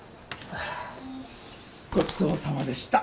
ごちそうさまでした。